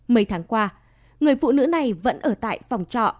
mấy tháng qua người phụ nữ này vẫn ở tại phòng trọ